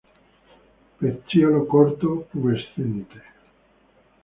Pecíolo corto, pubescente.